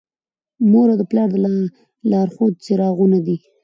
مور او پلار د لارښود څراغونه دي.